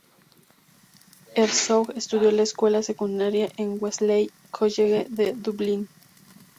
Herzog estudió la escuela secundaria en el Wesley College de Dublín.